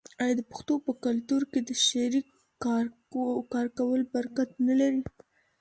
آیا د پښتنو په کلتور کې د شریک کار کول برکت نلري؟